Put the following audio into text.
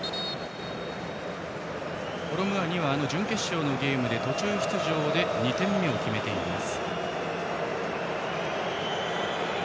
コロムアニは準決勝のゲームで途中出場で２点目を決めています。